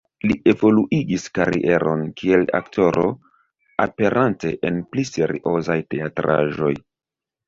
Li evoluigis karieron kiel aktoro, aperante en pli seriozaj teatraĵoj.